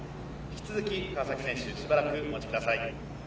引き続き、川崎選手、しばらくお待ちください。